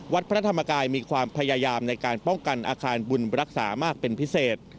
วัดพระธรรมกายมีความพยายามในการป้องกันอาคารบุญรักษามากเป็นพิเศษ